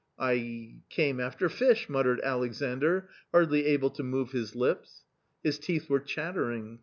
" I — came after fish," muttered Alexandr, hardly able to move his lips. His teeth were chattering.